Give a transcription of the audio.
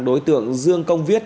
đối tượng dương công viết